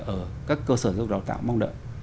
ở các cơ sở dục đào tạo mong đợi